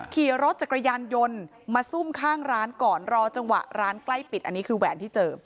ขี่รถจักรยานยนต์มาซุ่มข้างร้านก่อนรอจังหวะร้านใกล้ปิดอันนี้คือแหวนที่เจอ